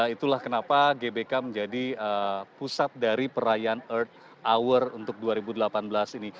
itulah kenapa gbk menjadi pusat dari perayaan earth hour untuk dua ribu delapan belas ini